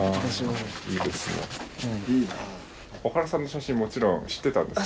小原さんの写真もちろん知ってたんですか？